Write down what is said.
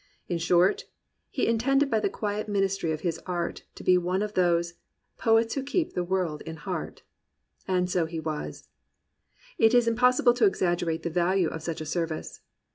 In short, he intended by the quiet ministry of his art to be one of those "Poets who keep the world in heart, — ^and so he was. It is impossible to exaggerate the value of such a service.